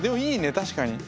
確かに。